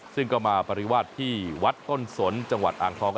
ซึ่งก็มาปริวาสที่วัดต้นสนจังหวัดอ่างทอง